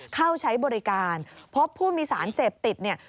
เข้าใช้บริการพบผู้มีสารเสพติดเนี่ย